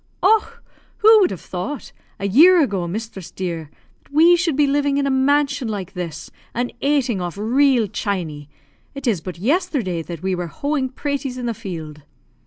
"Och! who would have thought, a year ago, misthress dear, that we should be living in a mansion like this, and ating off raal chaney? It is but yestherday that we were hoeing praties in the field."